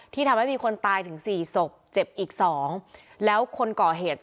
ทำให้มีคนตายถึงสี่ศพเจ็บอีกสองแล้วคนก่อเหตุ